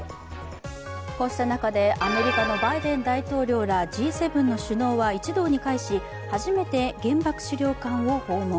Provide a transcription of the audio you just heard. こうした中でアメリカのバイデン大統領らＧ７の首脳は一堂に会し、初めて原爆資料館を訪問。